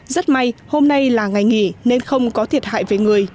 rất may hôm nay là ngày nghỉ nên không có thiệt hại về người